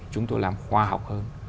chúng tôi làm khoa học hơn